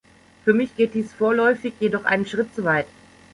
Für mich geht dies vorläufig jedoch einen Schritt zu weit.